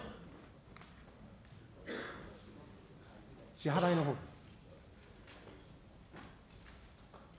支払いのほうです。